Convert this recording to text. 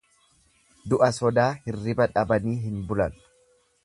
Du'a sodaa hirriba dhabanii hin bulan.